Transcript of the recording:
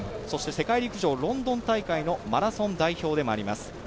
そして、世界陸上ロンドン大会のマラソン代表でもあります。